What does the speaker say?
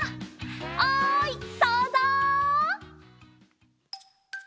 おいそうぞう！